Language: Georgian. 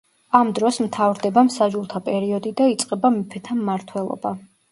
ამ დროს მთავრდება მსაჯულთა პერიოდი და იწყება მეფეთა მმართველობა.